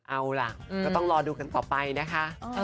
เอาล่ะก็ต้องรอดูกันต่อไปนะคะ